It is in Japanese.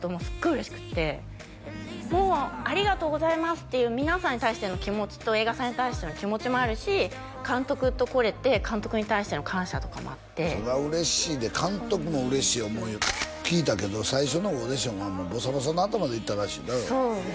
嬉しくてもうありがとうございますっていう皆さんに対しての気持ちと映画祭に対しての気持ちもあるし監督と来れて監督に対しての感謝とかもあってそりゃ嬉しいで監督も嬉しい思うよ聞いたけど最初のオーディションはもうボサボサの頭で行ったらしいなそうです